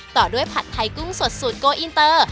ต่อด้วยผัดไทยกุ้งสดสูตรโกอินเตอร์